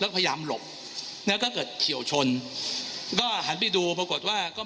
แล้วก็พยายามหลบแล้วก็เกิดเฉียวชนก็หันไปดูปรากฏว่าก็